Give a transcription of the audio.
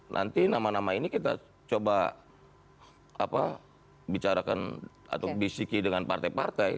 nanti nama nama ini kita coba bicarakan atau bisiki dengan partai partai